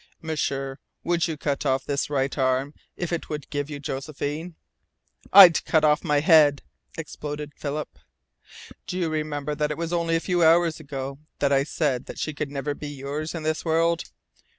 "M'sieur, you would cut off this right arm if it would give you Josephine?" "I'd cut off my head!" exploded Philip. "Do you remember that it was only a few hours ago that I said she could never be yours in this world?"